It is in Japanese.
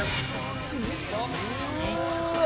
「いった。